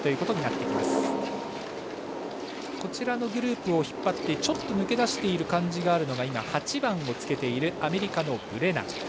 そして、その次のグループを引っ張ってちょっと抜け出しているのが８番をつけているアメリカのブレナン。